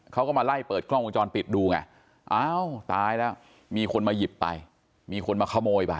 เขาก็มาไล่เปิดกล้องวงจรปิดดูไงอ้าวตายแล้วมีคนมาหยิบไปมีคนมาขโมยไป